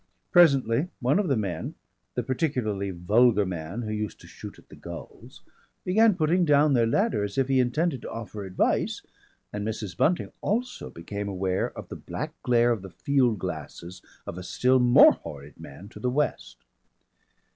Presently one of the men the particularly vulgar man who used to shoot at the gulls began putting down their ladder as if he intended to offer advice, and Mrs. Bunting also became aware of the black glare of the field glasses of a still more horrid man to the west.